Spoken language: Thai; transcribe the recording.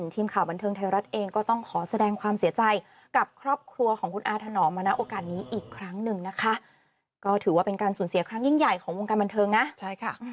ทุกคนฮากละเกาะคิดถึงอาทนอมเสมอเจ้า